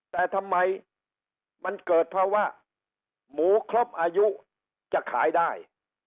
แต่ทำไมมันเกิดภาวะหมูครบอายุจะขายได้